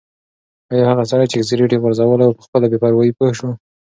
ایا هغه سړی چې سګرټ یې غورځولی و په خپله بې پروايي پوه شو؟